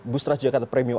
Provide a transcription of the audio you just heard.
bus transjakarta premium